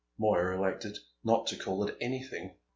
Moya elected not to call it anything.